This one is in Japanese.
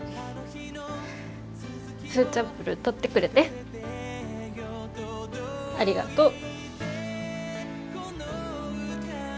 フーチャンプルー取ってくれてありがとう。